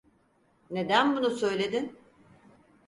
Neden bunu söyledin?